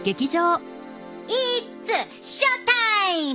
イッツショータイム！